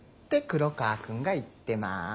黒川くんが言ってます。